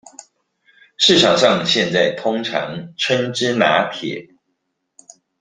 市場上現在通常稱之拿鐵